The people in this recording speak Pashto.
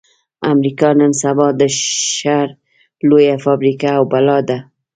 امريکا نن سبا د شر لويه فابريکه او بلا ده.